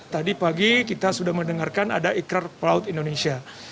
tadi pagi kita sudah mendengarkan ada ikrar pelaut indonesia